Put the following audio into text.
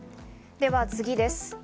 では次です。